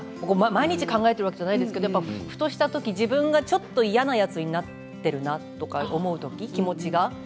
毎日、考えてるわけじゃないんですけど、ふとしたとき自分がちょっと嫌なやつになっているなとか思うとき気持ちが。